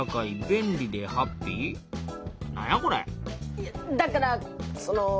いやだからその。